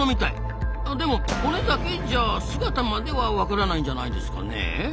でも骨だけじゃあ姿まではわからないんじゃないですかねえ？